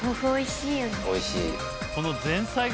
おいしい。